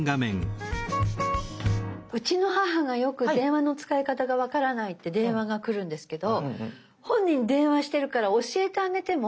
うちの母がよく電話の使い方が分からないって電話が来るんですけど本人電話してるから教えてあげても。